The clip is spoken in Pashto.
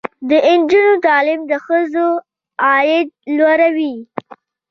د نجونو تعلیم د ښځو عاید لوړوي.